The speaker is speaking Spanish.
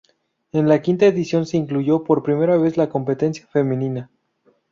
En la quinta edición se incluyó por primera vez la competencia femenina.